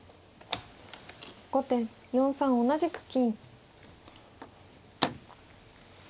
後手４三同じく金。